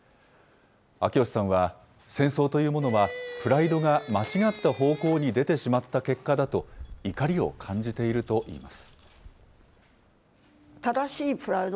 秋吉さんは、戦争というものは、プライドが間違った方向に出てしまった結果だと怒りを感じているといいます。